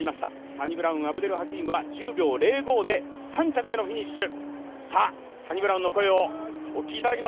サニブラウン・アブデルハキームは１０秒０５で３着のフィニッシュ。